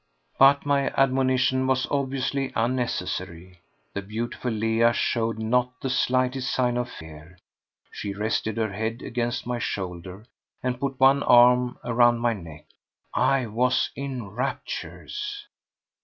But my admonition was obviously unnecessary. The beautiful Leah showed not the slightest sign of fear. She rested her head against my shoulder and put one arm around my neck. I was in raptures.